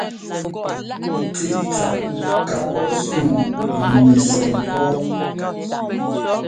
Tsɛtsa ka pɔ́ sú ŋu mɛsɔn pɔ́.